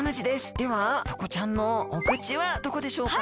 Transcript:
ではタコちゃんのお口はどこでしょうか？